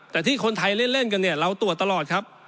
แต่ที่คนไทยเล่นกันเราตรวจตลอด